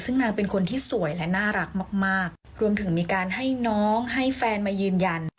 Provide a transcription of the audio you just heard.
ซึ่งนางเป็นคนที่สวยและน่ารักมากมากรวมถึงมีการให้น้องให้แฟนมายืนยัน